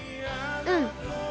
うん。